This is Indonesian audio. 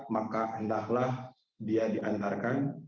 maka indahlah dia diantarkan